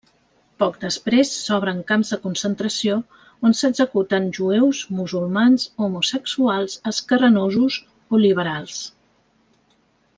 Poc després s'obren camps de concentració on s'executen jueus, musulmans, homosexuals, esquerranosos o liberals.